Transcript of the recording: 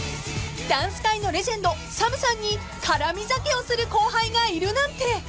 ［ダンス界のレジェンドＳＡＭさんに絡み酒をする後輩がいるなんて！］